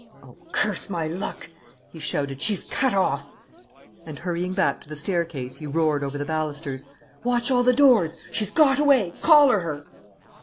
"Oh, curse my luck!" he shouted. "She's cut off!" And, hurrying back to the staircase, he roared over the balusters: "Watch all the doors! She's got away! Collar her!"